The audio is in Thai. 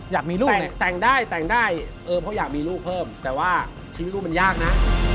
อยากมีลูกแต่งได้แต่งได้เออเพราะอยากมีลูกเพิ่มแต่ว่าชีวิตลูกมันยากนะ